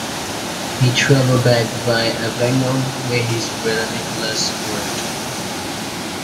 He travelled back via Avignon where his brother Nicolas worked.